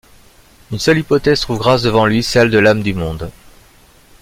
Une seule hypothèse trouve grâce devant lui, celle de l'âme du monde.